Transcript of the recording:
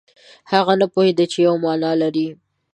هغه نه پوهېده چې یوه معنا لري.